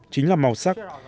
chính là màu sắc